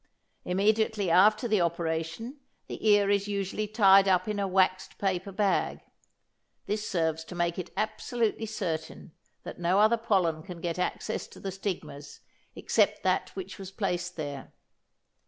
Immediately after the operation the ear is usually tied up in a waxed paper bag. This serves to make it absolutely certain that no other pollen can get access to the stigmas except that which was placed there.